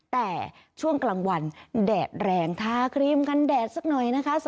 แต่ช่วงกลางวันแดดแรงทาครีมกันแดดสักหน่อยนะคะ